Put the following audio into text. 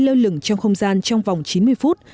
lơ lửng trong không gian trong vòng chín mươi phút